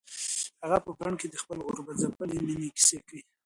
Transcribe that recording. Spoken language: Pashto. هغه په بن کې د خپلې غربت ځپلې مېنې کیسه کوي.